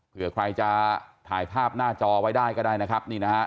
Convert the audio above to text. เผื่อใครจะถ่ายภาพหน้าจอไว้ได้ก็ได้นะครับนี่นะฮะ